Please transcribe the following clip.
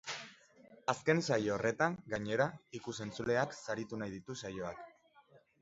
Azken saio horretan, gainera, ikus-entzuleak saritu nahi ditu saioak.